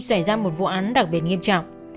xảy ra một vụ án đặc biệt nghiêm trọng